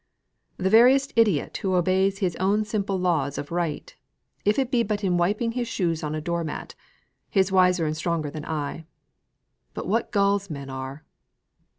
The veriest idiot who obeys his own simple law of right, if it be but in wiping his shoes on a door mat, is wiser and stronger than I. But what gulls men are!"